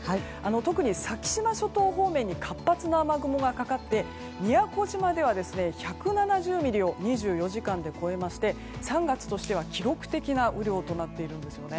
特に先島諸島方面に活発な雨雲がかかって宮古島では１７０ミリを２４時間で越えまして３月としては記録的な雨量となっているんです。